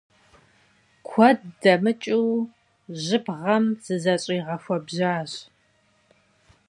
Куэд дэмыкӀыу жьыбгъэм зызэщӀигъэхуэбжьащ.